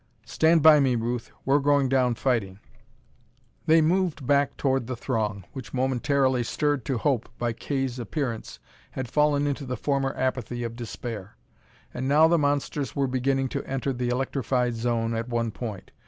"Stand by me, Ruth. We're going down fighting." They moved back toward the throng, which, momentarily stirred to hope by Kay's appearance, had fallen into the former apathy of despair. And now the monsters were beginning to enter the electrified zone at one point.